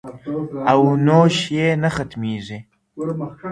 او نوش یې نه ختمیږي